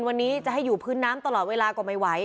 วันนี้จะให้อยู่พื้นน้ำตลอดเวลาก็ไม่ไหว